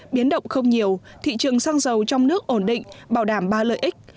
biến động không nhiều thị trường xăng dầu trong nước ổn định bảo đảm ba lợi ích